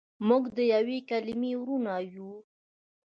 موږ دیوې کلیمې وړونه یو.